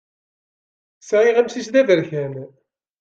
Sɛiɣ amcic d aberkan.